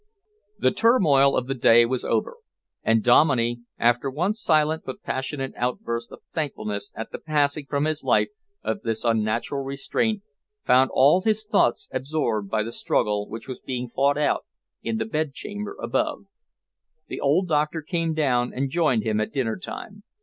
The turmoil of the day was over, and Dominey, after one silent but passionate outburst of thankfulness at the passing from his life of this unnatural restraint, found all his thoughts absorbed by the struggle which was being fought out in the bedchamber above. The old doctor came down and joined him at dinner time.